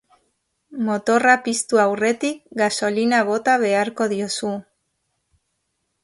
Motorra piztu aurretik gasolina bota beharko diozu.